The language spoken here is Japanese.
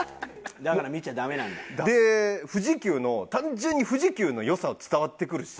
で富士急の単純に富士急の良さ伝わってくるし。